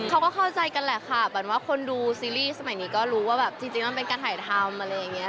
เขาก็เข้าใจกันแหละค่ะเหมือนว่าคนดูซีรีส์สมัยนี้ก็รู้ว่าแบบจริงมันเป็นการถ่ายทำอะไรอย่างนี้